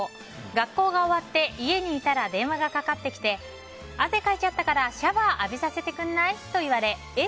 学校が終わって家にいたら電話がかかってきて汗かいちゃったからシャワー浴びさせてくれない？と言われえ？